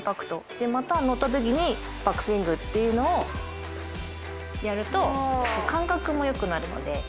でまた乗ったときにバックスイングっていうのをやると感覚もよくなるので。